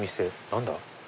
何だ？